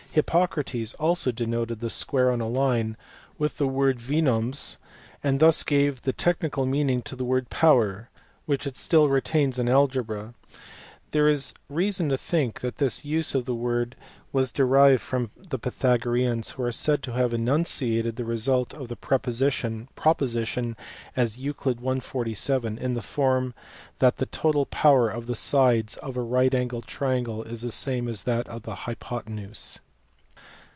Hippocrates also 40 THE SCHOOLS OF ATHENS AND CYZICUS. denoted the square on a line by the word SiW/u?, and thus gave the technical meaning to the word power which it still retains in algebra: there is reason to think that this use of the word was derived from the Pythagoreans, who are said to have enunciated the result of the proposition as Euc. i. 47, in the form that "the total power of the sides of a right angled triangle is the same as that of the hypothenuse."